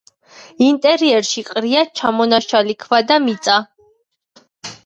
ინტერიერში ყრია ჩამონაშალი ქვა და მიწა.